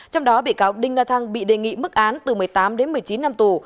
trong đó bị cáo đinh na thăng bị đề nghị mức án từ một mươi tám đến một mươi chín năm tù